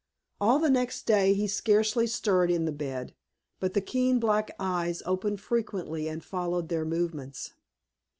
All the next day he scarcely stirred in the bed, but the keen black eyes opened frequently and followed their movements.